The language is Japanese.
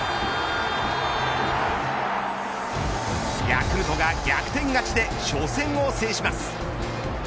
ヤクルトが逆転勝ちで初戦を制します。